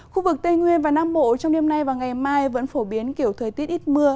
khu vực tây nguyên và nam bộ trong đêm nay và ngày mai vẫn phổ biến kiểu thời tiết ít mưa